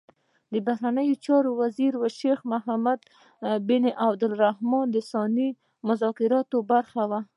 د بهرنیو چارو وزیر شیخ محمد بن عبدالرحمان ال ثاني د مذاکراتو برخه وي.